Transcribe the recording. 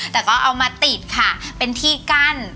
แต่ก็เอามาติดค่ะเป็นที่กั้น